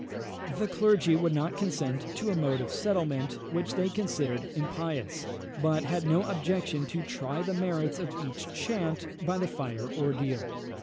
The clergy would not consent to a mode of settlement which they considered impious, but had no objection to try the merits of each chant by the fire ordeal.